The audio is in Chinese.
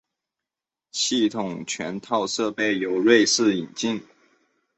系统全套设备由瑞士引进。